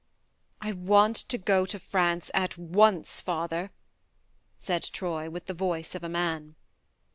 ..."" I want to go to France at once, father," said Troy, with the voice of a man.